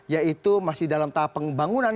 yaitu masih dalam tahap pembangunan